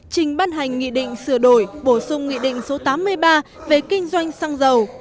trình ban hành nghị định sửa đổi bổ sung nghị định số tám mươi ba về kinh doanh xăng dầu